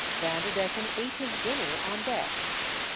Vanderdecken ate his dinner on deck.